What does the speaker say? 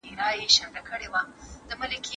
د داستان په تحقیق کي له چا څخه مه وېرېږئ.